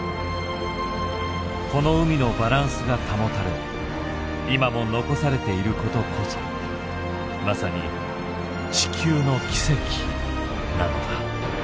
この海のバランスが保たれ今も残されていることこそまさに地球の奇跡なのだ。